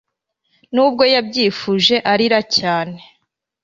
nubwo yabyifuje arira cyane